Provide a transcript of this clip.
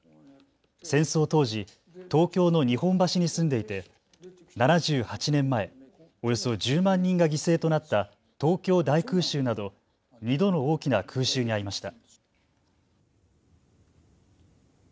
戦争当時、東京の日本橋に住んでいて７８年前、およそ１０万人が犠牲となった東京大空襲など２度の大きな空襲に遭いました。